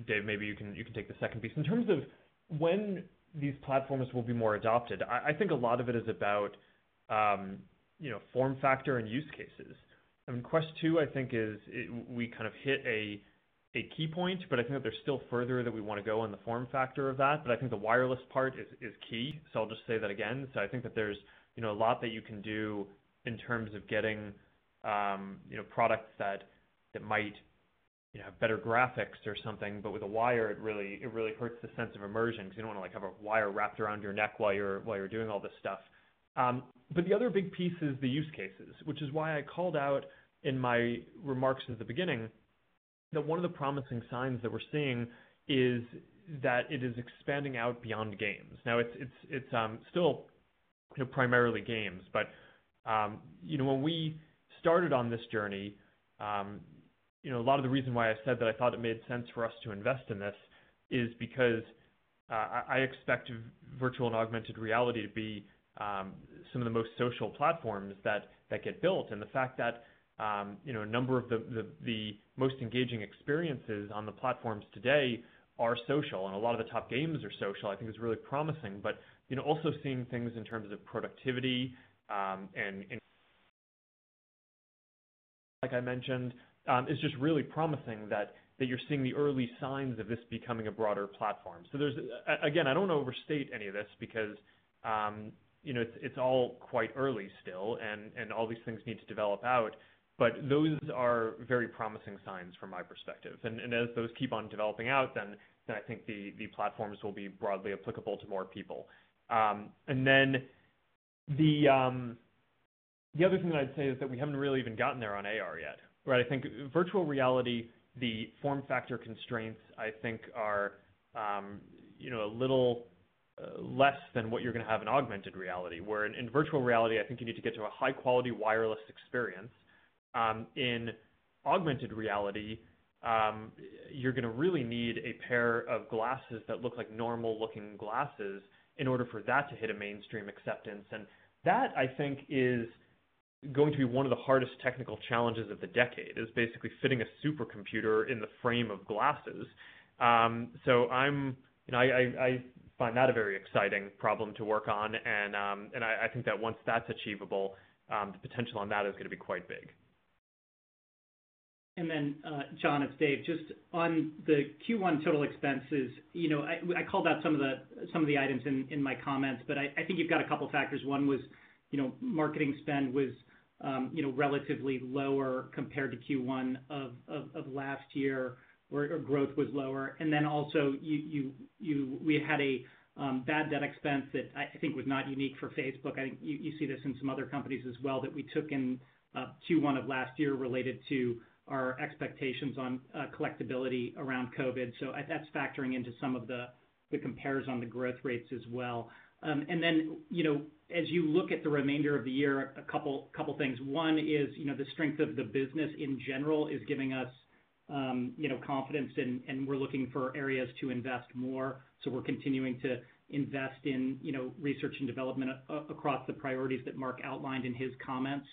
Dave, maybe you can take the second piece. In terms of when these platforms will be more adopted, I think a lot of it is about form factor and use cases. I mean, Quest 2, I think we kind of hit a key point, but I think that there's still further that we want to go on the form factor of that. I think the wireless part is key. I'll just say that again. I think that there's a lot that you can do in terms of getting products that might have better graphics or something, but with a wire, it really hurts the sense of immersion because you don't want to have a wire wrapped around your neck while you're doing all this stuff. The other big piece is the use cases, which is why I called out in my remarks at the beginning that one of the promising signs that we're seeing is that it is expanding out beyond games. It's still primarily games, but when we started on this journey, a lot of the reason why I said that I thought it made sense for us to invest in this is because I expect virtual and augmented reality to be some of the most social platforms that get built. The fact that a number of the most engaging experiences on the platforms today are social and a lot of the top games are social, I think is really promising. Also seeing things in terms of productivity and like I mentioned, is just really promising that you're seeing the early signs of this becoming a broader platform. Again, I don't want to overstate any of this because it's all quite early still and all these things need to develop out, but those are very promising signs from my perspective. As those keep on developing out, then I think the platforms will be broadly applicable to more people. Then the other thing that I'd say is that we haven't really even gotten there on AR yet, right? I think virtual reality, the form factor constraints, I think are a little less than what you're going to have in augmented reality. Where in virtual reality, I think you need to get to a high-quality wireless experience. In augmented reality, you're going to really need a pair of glasses that look like normal-looking glasses in order for that to hit a mainstream acceptance. That I think is going to be one of the hardest technical challenges of the decade, is basically fitting a supercomputer in the frame of glasses. I find that a very exciting problem to work on and I think that once that's achievable, the potential on that is going to be quite big. John, it's Dave. Just on the Q1 total expenses, I called out some of the items in my comments, but I think you've got a couple factors. One was marketing spend was relatively lower compared to Q1 of last year, or growth was lower. Also, we had a bad debt expense that I think was not unique for Facebook. I think you see this in some other companies as well, that we took in Q1 of last year related to our expectations on collectibility around COVID. That's factoring into some of the compares on the growth rates as well. As you look at the remainder of the year, a couple things. One is the strength of the business in general is giving us confidence and we're looking for areas to invest more. We're continuing to invest in research and development across the priorities that Mark outlined in his comments.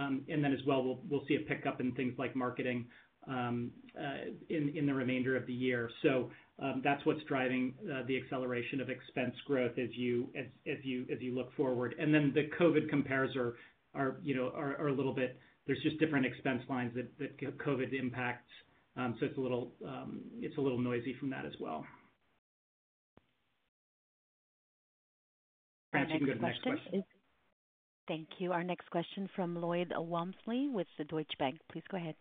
As well, we'll see a pickup in things like marketing in the remainder of the year. That's what's driving the acceleration of expense growth as you look forward. The COVID compares are a little bit, there's just different expense lines that COVID impacts. It's a little noisy from that as well. Thank you. Our next question from Lloyd Walmsley with Deutsche Bank. Please go ahead.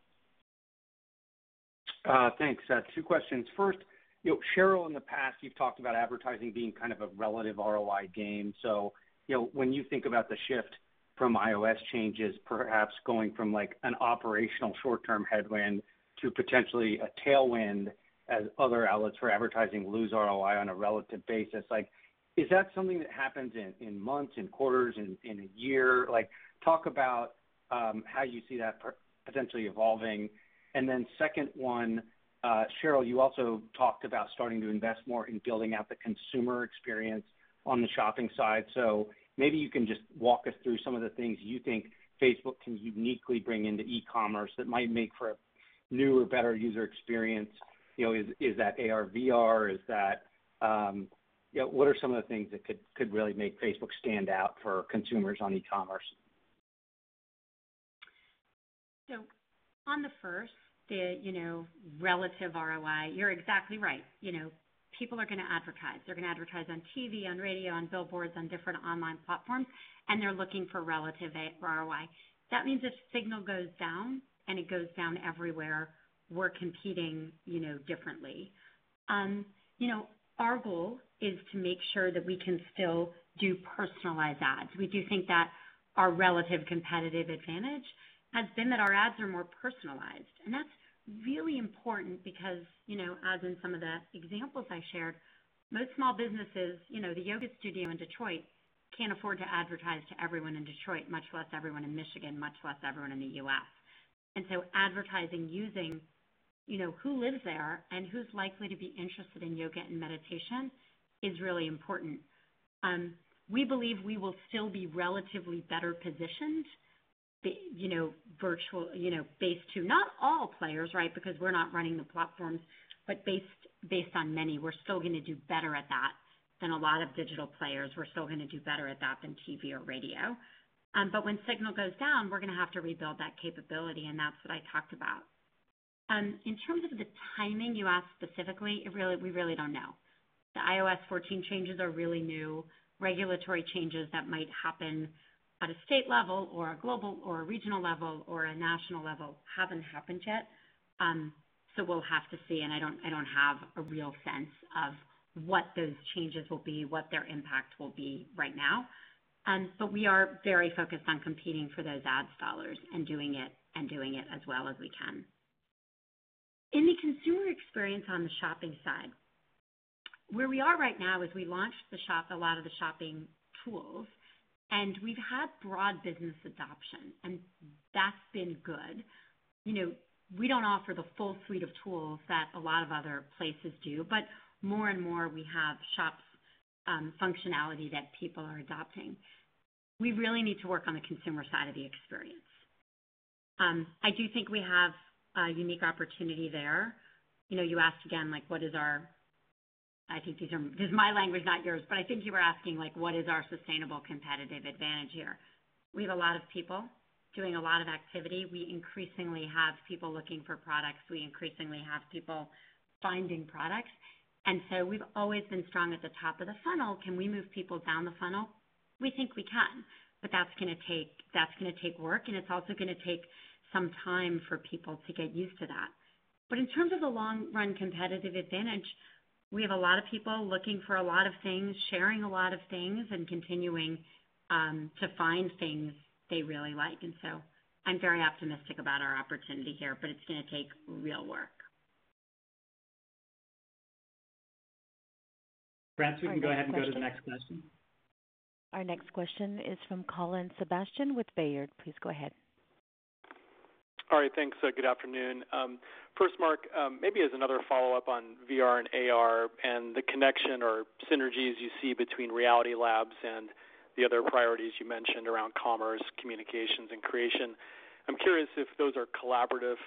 Thanks. Two questions. First, Sheryl, in the past, you've talked about advertising being kind of a relative ROI game. When you think about the shift from iOS changes, perhaps going from an operational short-term headwind to potentially a tailwind as other outlets for advertising lose ROI on a relative basis. Is that something that happens in months, in quarters, in a year? Talk about how you see that potentially evolving. Second one, Sheryl, you also talked about starting to invest more in building out the consumer experience on the shopping side. Maybe you can just walk us through some of the things you think Facebook can uniquely bring into e-commerce that might make for a new or better user experience. Is that AR/VR? What are some of the things that could really make Facebook stand out for consumers on e-commerce? On the first, the relative ROI, you're exactly right. People are going to advertise. They're going to advertise on TV, on radio, on billboards, on different online platforms, and they're looking for relative ROI. That means if signal goes down, and it goes down everywhere, we're competing differently. Our goal is to make sure that we can still do personalized ads. We do think that our relative competitive advantage has been that our ads are more personalized. That's really important because, as in some of the examples I shared, most small businesses, the yoga studio in Detroit, can't afford to advertise to everyone in Detroit, much less everyone in Michigan, much less everyone in the U.S. Advertising using who lives there and who's likely to be interested in yoga and meditation is really important. We believe we will still be relatively better positioned, based to not all players, because we're not running the platforms, but based on many. We're still going to do better at that than a lot of digital players. We're still going to do better at that than TV or radio. When signal goes down, we're going to have to rebuild that capability, and that's what I talked about. In terms of the timing you asked specifically, we really don't know. The iOS 14 changes are really new. Regulatory changes that might happen at a state level or a global or a regional level or a national level haven't happened yet. We'll have to see, and I don't have a real sense of what those changes will be, what their impact will be right now. We are very focused on competing for those ads dollars and doing it as well as we can. In the consumer experience on the shopping side, where we are right now is we launched a lot of the shopping tools, and we've had broad business adoption, and that's been good. We don't offer the full suite of tools that a lot of other places do, but more and more we have Shops functionality that people are adopting. We really need to work on the consumer side of the experience. I do think we have a unique opportunity there. You asked again, this is my language, not yours, but I think you were asking what is our sustainable competitive advantage here? We have a lot of people doing a lot of activity. We increasingly have people looking for products. We increasingly have people finding products, we've always been strong at the top of the funnel. Can we move people down the funnel? We think we can, that's going to take work, and it's also going to take some time for people to get used to that. In terms of the long-run competitive advantage, we have a lot of people looking for a lot of things, sharing a lot of things, and continuing to find things they really like. I'm very optimistic about our opportunity here, but it's going to take real work. , we can go ahead and go to the next question. Our next question is from Colin Sebastian with Baird. Please go ahead. All right, thanks. Good afternoon. First, Mark, maybe as another follow-up on VR and AR and the connection or synergies you see between Reality Labs and the other priorities you mentioned around commerce, communications, and creation. I'm curious if those are collaborative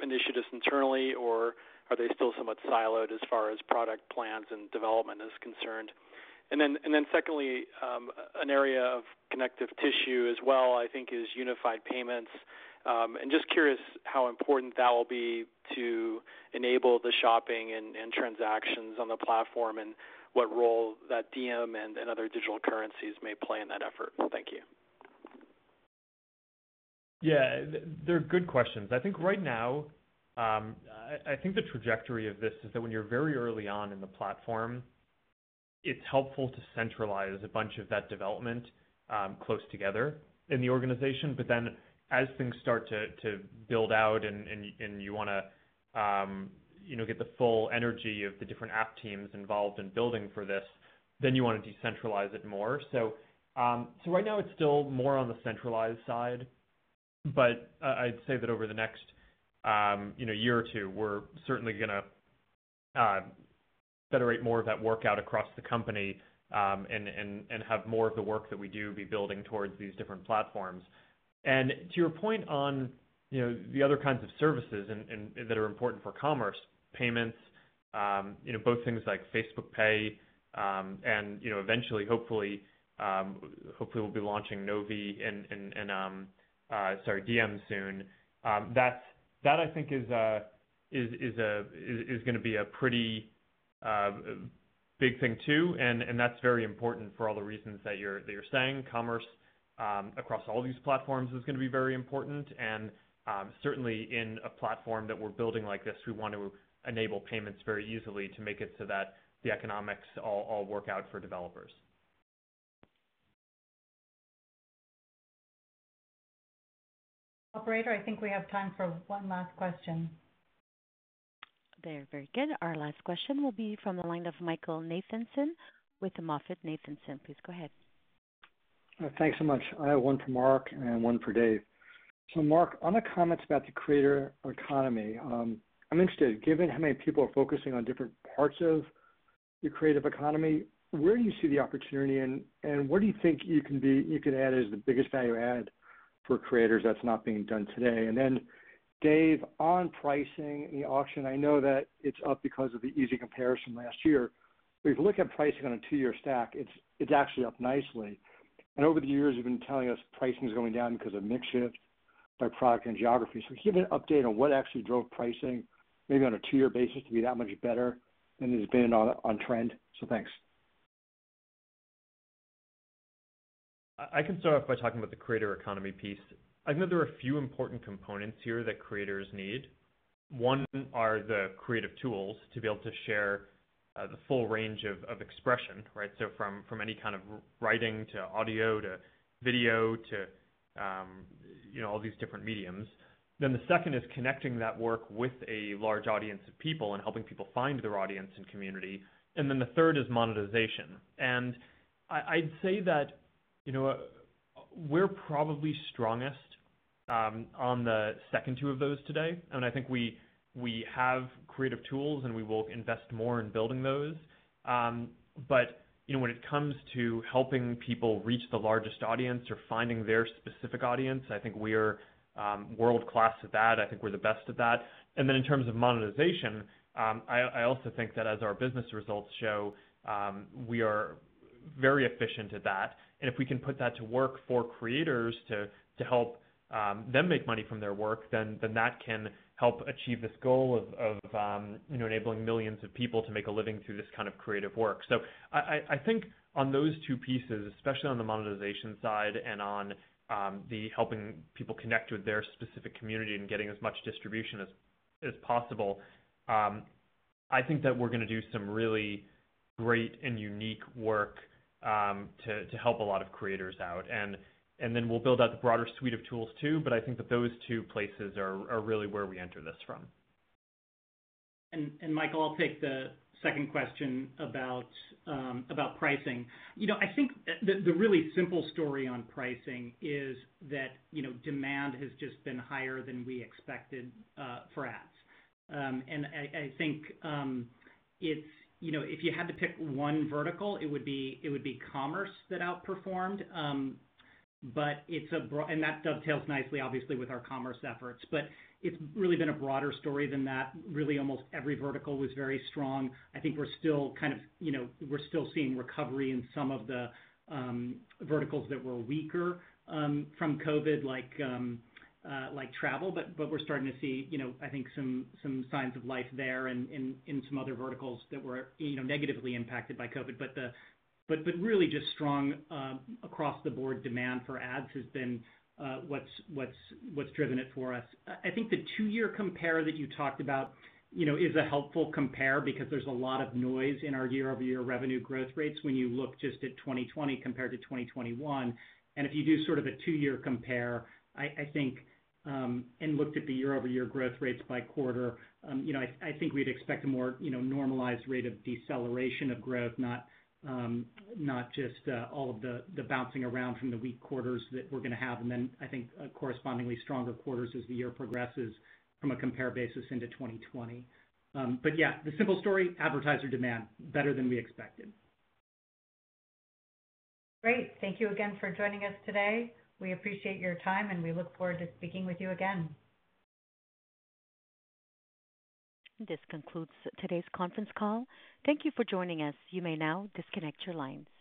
initiatives internally, or are they still somewhat siloed as far as product plans and development is concerned? Secondly, an area of connective tissue as well, I think, is unified payments. Just curious how important that will be to enable the shopping and transactions on the platform, and what role that Diem and other digital currencies may play in that effort. Thank you. They're good questions. I think right now, the trajectory of this is that when you're very early on in the platform, it's helpful to centralize a bunch of that development close together in the organization. As things start to build out and you want to get the full energy of the different app teams involved in building for this, then you want to decentralize it more. Right now it's still more on the centralized side, but I'd say that over the next year or two, we're certainly going to federate more of that work out across the company, and have more of the work that we do be building towards these different platforms. To your point on the other kinds of services that are important for commerce, payments, both things like Facebook Pay and eventually, hopefully, we'll be launching Novi and Diem soon. That I think is going to be a pretty big thing too. That's very important for all the reasons that you're saying. Commerce across all these platforms is going to be very important. Certainly in a platform that we're building like this, we want to enable payments very easily to make it so that the economics all work out for developers. Operator, I think we have time for one last question. Very good. Our last question will be from the line of Michael Nathanson with the MoffettNathanson. Please go ahead. Thanks so much. I have one for Mark and one for Dave. Mark, on the comments about the creator economy, I'm interested, given how many people are focusing on different parts of the creative economy, where do you see the opportunity and where do you think you can add as the biggest value add for creators that's not being done today? Then Dave, on pricing and the auction, I know that it's up because of the easy comparison last year. If you look at pricing on a two-year stack, it's actually up nicely. Over the years, you've been telling us pricing is going down because of mix shift by product and geography. Give an update on what actually drove pricing, maybe on a two-year basis, to be that much better than it's been on trend. Thanks. I can start off by talking about the creator economy piece. I know there are a few important components here that creators need. One are the creative tools to be able to share the full range of expression, right? From any kind of writing to audio to video to all these different mediums. The second is connecting that work with a large audience of people and helping people find their audience and community. The third is monetization. I'd say that we're probably strongest on the second two of those today, and I think we have creative tools and we will invest more in building those. When it comes to helping people reach the largest audience or finding their specific audience, I think we are world-class at that. I think we're the best at that. In terms of monetization, I also think that as our business results show, we are very efficient at that, and if we can put that to work for creators to help them make money from their work, then that can help achieve this goal of enabling millions of people to make a living through this kind of creative work. I think on those two pieces, especially on the monetization side and on the helping people connect with their specific community and getting as much distribution as possible, I think that we're going to do some really great and unique work to help a lot of creators out. We'll build out the broader suite of tools too. I think that those two places are really where we enter this from. Michael, I'll take the second question about pricing. I think the really simple story on pricing is that demand has just been higher than we expected for ads. I think if you had to pick one vertical, it would be commerce that outperformed. That dovetails nicely, obviously, with our commerce efforts. It's really been a broader story than that. Really, almost every vertical was very strong. I think we're still seeing recovery in some of the verticals that were weaker from COVID, like travel. We're starting to see, I think, some signs of life there and in some other verticals that were negatively impacted by COVID. Really just strong across the board demand for ads has been what's driven it for us. I think the two-year compare that you talked about is a helpful compare because there's a lot of noise in our year-over-year revenue growth rates when you look just at 2020 compared to 2021. If you do sort of a two-year compare, and looked at the year-over-year growth rates by quarter, I think we'd expect a more normalized rate of deceleration of growth, not just all of the bouncing around from the weak quarters that we're going to have. Then I think correspondingly stronger quarters as the year progresses from a compare basis into 2020. Yeah, the simple story, advertiser demand, better than we expected. Great. Thank you again for joining us today. We appreciate your time. We look forward to speaking with you again. This concludes today's conference call. Thank you for joining us. You may now disconnect your lines.